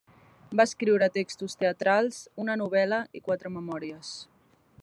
Va escriure textos teatrals, una novel·la i quatre memòries.